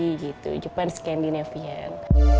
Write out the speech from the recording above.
jadi gitu jepang scandinavian